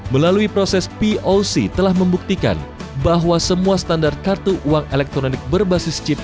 melalui proses poc telah membuktikan bahwa semua standar kartu uang elektronik berbasis chip